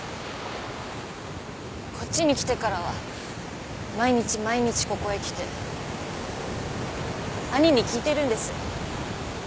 こっちに来てからは毎日毎日ここへ来て兄に聞いてるんです。